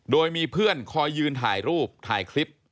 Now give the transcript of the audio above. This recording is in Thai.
โดยมีเพื่อนคอยยืนถ่ายรูปถ่ายคลิป